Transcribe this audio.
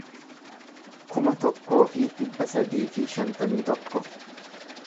kuma tokkoo fi dhibba sadii fi shantamii tokko